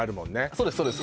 そうですそうです